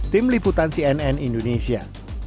tim liputan cnn indonesia